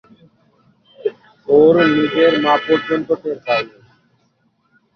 ওর নিজের মা পর্যন্ত টের পায়নি।